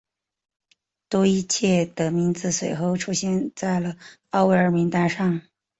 多伊彻的名字随后出现在了奥威尔名单上。